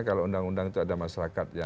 kalau undang undang itu ada masyarakat ya